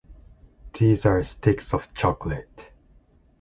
These are sticks of chocolate.